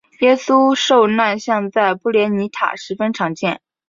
耶稣受难像在布列尼塔十分常见。